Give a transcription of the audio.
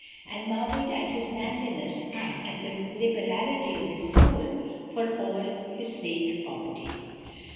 and marvelled at his manliness and at the liberality of his soul, for all his late poverty.